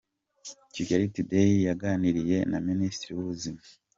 Kigali Today yaganiriye na Minisitiri w’Ubuzima